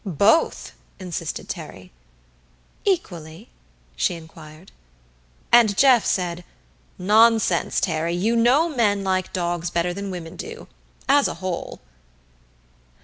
"Both!" insisted Terry. "Equally?" she inquired. And Jeff said, "Nonsense, Terry you know men like dogs better than women do as a whole."